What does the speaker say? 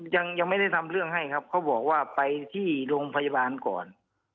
ยังไม่ได้ทำเรื่องให้ครับเขาบอกว่าไปที่โรงพยาบาลก่อน